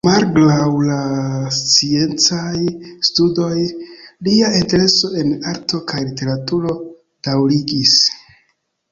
Malgraŭ la sciencaj studoj, lia intereso en arto kaj literaturo daŭrigis.